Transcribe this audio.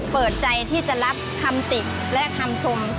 เปิดใจที่จะรับคำติและคำชม